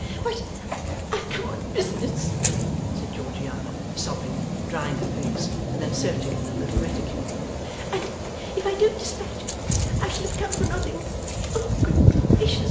'But I've come on business,' said Georgiana, sobbing and drying her face, and then searching in a little reticule, 'and if I don't despatch it I shall have come for nothing, and oh good gracious!